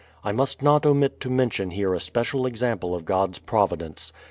I must not omit to mention here a special example of God's providence.